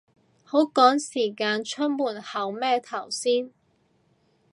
好趕時間出門口咩頭先